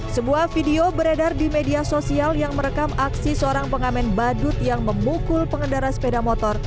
sebuah video beredar di media sosial yang merekam aksi seorang pengamen badut yang memukul pengendara sepeda motor